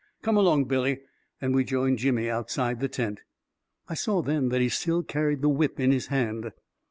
" Come along, Billy," and we joined Jimmy outside the tent. I saw then that he still carried the whip in his hand.